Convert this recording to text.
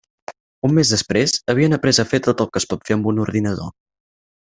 Un mes després, havien après a fer tot el que es pot fer amb un ordinador.